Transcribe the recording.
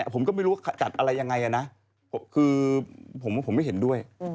ผมก็ไม่รู้ว่าจัดอะไรยังไงนะคือผมไม่เห็นด้วย